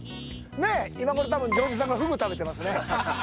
ねえ、今ごろ、多分譲二さんがフグ食べてますね。